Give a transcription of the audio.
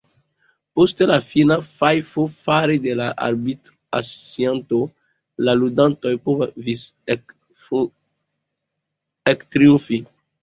Post la fina fajfo fare de la arbitracianto, la ludantoj povis ektriumfi.